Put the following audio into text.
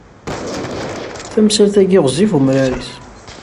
- Tamsalt-agi ɣezzif umrar-is.